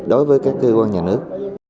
đối với các cơ quan nhà nước